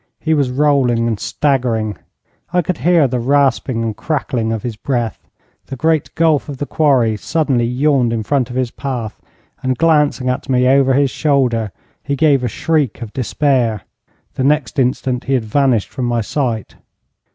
He was rolling and staggering. I could hear the rasping and crackling of his breath. The great gulf of the quarry suddenly yawned in front of his path, and glancing at me over his shoulder, he gave a shriek of despair. The next instant he had vanished from my sight.